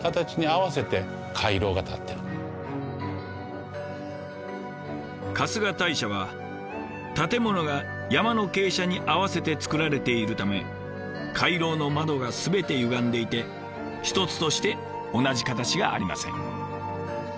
すなわち春日大社は建物が山の傾斜に合わせて造られているため回廊の窓がすべてゆがんでいて一つとして同じ形がありません。